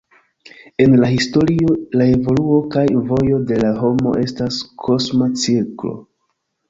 En la historio la evoluo kaj vojo de la homo estas kosma ciklo.